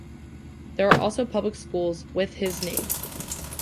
There are also public schools with his name.